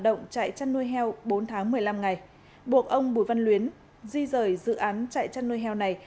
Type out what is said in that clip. động chạy chăn nuôi heo bốn tháng một mươi năm ngày buộc ông bùi văn luyến di rời dự án chạy chăn nuôi heo này